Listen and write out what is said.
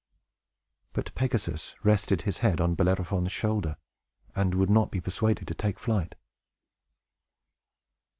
But Pegasus rested his head on Bellerophon's shoulder, and would not be persuaded to take flight.